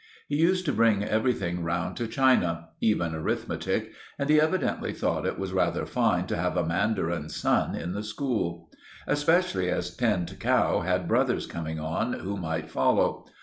He used to bring everything round to China—even arithmetic, and he evidently thought it was rather fine to have a mandarin's son in the school. Especially as Tinned Cow had brothers coming on, who might follow.